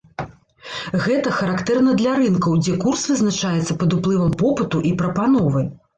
Гэта характэрна для рынкаў, дзе курс вызначаецца пад уплывам попыту і прапановы.